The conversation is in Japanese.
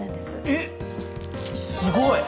えっ、すごい！